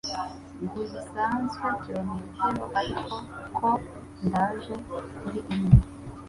Ntibisanzwe kilometero ariko ko ndaje kuri imwe,